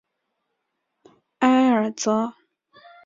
埃尔泽。